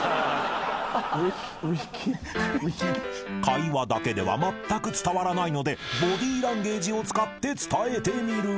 ［会話だけではまったく伝わらないのでボディーランゲージを使って伝えてみる］